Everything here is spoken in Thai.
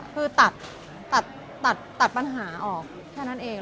คือตัดตัดปัญหาออกแค่นั้นเอง